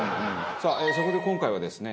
さあそこで今回はですね